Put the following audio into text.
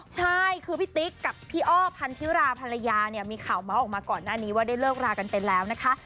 ใช่คือพี่ติ๊กกับพี่อ้อพันธิราภรรยาเนี่ยมีข่าวเมาส์ออกมาก่อนหน้านี้ว่าได้เลิกรากันไปแล้วนะคะ